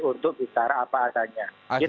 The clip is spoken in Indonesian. untuk bicara apa adanya